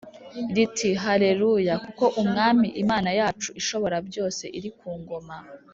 riti “Haleluya! Kuko Umwami Imana yacu Ishoborabyose iri ku ngoma!